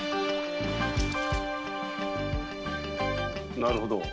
なるほど。